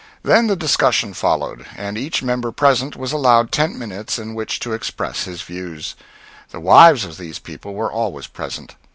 Then the discussion followed, and each member present was allowed ten minutes in which to express his views. The wives of these people were always present.